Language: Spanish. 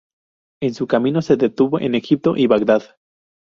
En su camino se detuvo en Egipto y Bagdad.